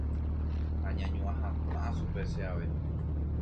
añañua hatã chupe che ave.